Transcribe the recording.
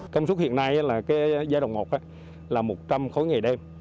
công suất hiện nay là giai đoạn một là một trăm linh khối ngày đêm